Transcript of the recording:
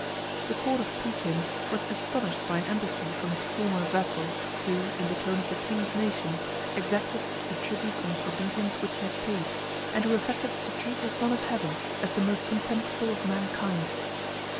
The court of Pekin was astonished by an embassy from its former vassal, who, in the tone of the king of nations, exacted the tribute and obedience which he had paid, and who affected to treat the son of heaven as the most contemptible of mankind.